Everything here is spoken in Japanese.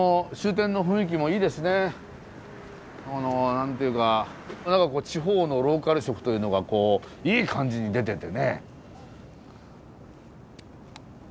何というか地方のローカル色というのがいい感じに出ててね。